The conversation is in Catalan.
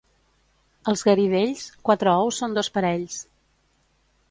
Als Garidells, quatre ous són dos parells.